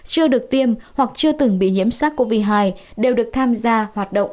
chưa được tiêm hoặc chưa từng bị nhiễm sars cov hai đều được tham gia hoạt động